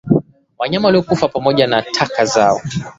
Wanyama waliokufa pamoja na taka zao